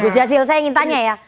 gus jasil saya ingin tanya ya